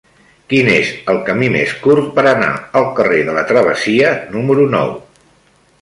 Quin és el camí més curt per anar al carrer de la Travessia número nou?